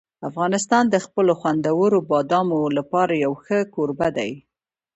افغانستان د خپلو خوندورو بادامو لپاره یو ښه کوربه دی.